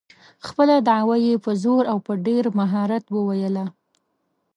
خپله دعوه یې په زور او ډېر مهارت وویله.